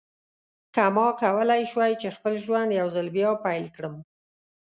که ما کولای شوای چې خپل ژوند یو ځل بیا پیل کړم.